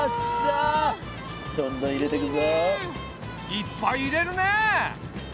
いっぱい入れるねえ。